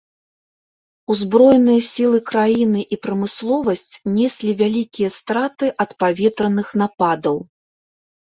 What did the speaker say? Узброеныя сілы краіны і прамысловасць неслі вялікія страты ад паветраных нападаў.